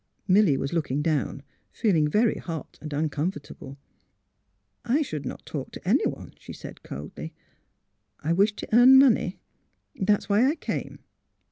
" Milly was looking down, feeling very hot and uncomfortable. " I — should not talk to anyone," she said, coldly. *' I wish to earn money; that is why I came.